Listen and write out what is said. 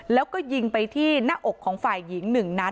แล้วก็ยิงไปที่หน้าอกของฝ่ายหญิง๑นัด